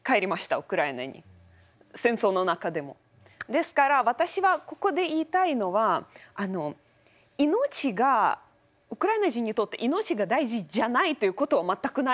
ですから私はここで言いたいのはあの命がウクライナ人にとって命が大事じゃないということは全くないんです。